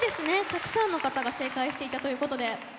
たくさんの方が正解していたということで。